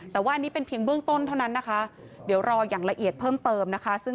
แต่ว่าอันนี้เป็นเพียงเบื้องต้นเท่านั้นนะคะเดี๋ยวรออย่างละเอียดเพิ่มเติมนะคะ